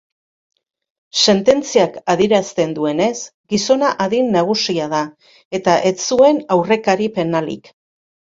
Sententziak adierazten duenez, gizona adin nagusia da eta ez zuen aurrekari penalik.